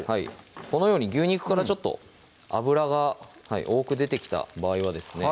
このように牛肉からちょっと脂が多く出てきた場合はですね